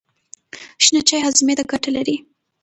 شنه چای هاضمې ته ګټه لري.